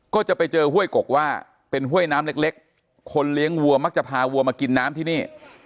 ก็จะไปเจอห้วยกกว่าเป็นห้วยน้ำเล็กคนเลี้ยงวัวมักจะพาวัวมากินน้ำที่นี่